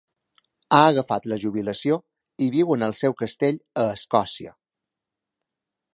Ha agafat la jubilació i viu en el seu castell a Escòcia.